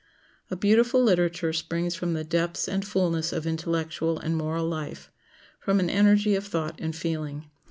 A beautiful literature springs from the depths and fullness of intellectual and moral life, from an energy of thought and feeling.